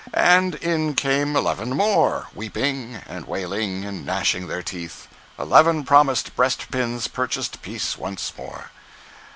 And in came eleven more, weeping and wailing and gnashing their teeth. Eleven promised breast pins purchased peace once more.